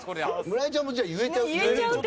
村井ちゃんもじゃあ言えちゃう？